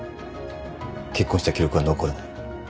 結婚した記録は残らない。